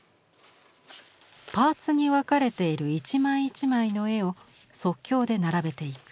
パーツに分かれている一枚一枚の絵を即興で並べていく。